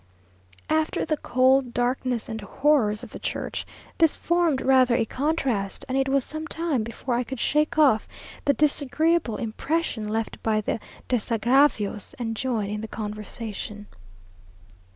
After the cold, darkness, and horrors of the church, this formed rather a contrast; and it was some time before I could shake off the disagreeable impression left by the desagravios, and join in the conversation....